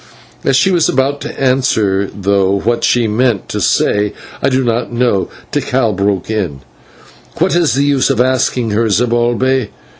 As she was about to answer though what she meant to say, I do not know Tikal broke in: "What is the use of asking her, Zibalbay?